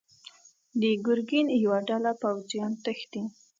د ګرګين يوه ډله پوځيان تښتي.